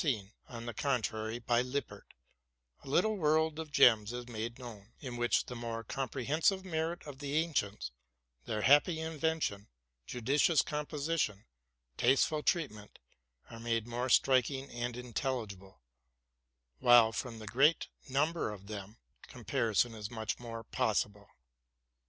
261 seen; on the contrary, by Lippert, a little world of gems is made known, in which the more comprehensible merit of the ancients, their happy invention, judicious composition, taste ful treatment, are made more striking and intelligible, while, from the great number of them, comparison is much more possible.